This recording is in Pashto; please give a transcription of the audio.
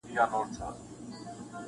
کيسه د ټولني نقد دی ښکاره-